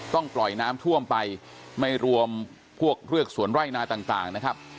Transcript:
ปล่อยน้ำท่วมไปไม่รวมพวกเรือกสวนไร่นาต่างนะครับ